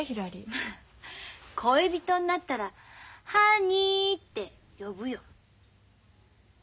フッ恋人になったら「ハニー！」って呼ぶよ。